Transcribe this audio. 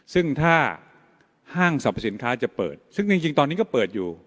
ซึ่งถ้าห้างสรรพสินค้าจะเปิดซึ่งจริงตอนนี้ก็เปิดอยู่